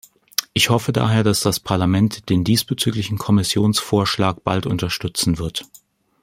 Ich hoffe daher, dass das Parlament den diesbezüglichen Kommissionsvorschlag bald unterstützen wird.